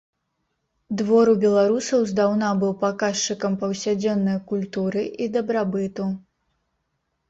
Двор у беларусаў здаўна быў паказчыкам паўсядзённай культуры і дабрабыту.